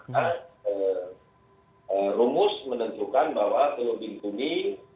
maka rumus menentukan bahwa teluk bintuni